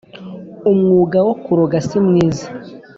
Umwuga wo kuroga si mwiza